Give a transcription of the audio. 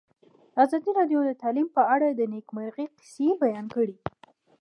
ازادي راډیو د تعلیم په اړه د نېکمرغۍ کیسې بیان کړې.